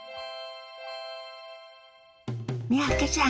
三宅さん